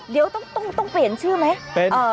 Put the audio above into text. เดี๋ยวต้องเปลี่ยนชื่อไหม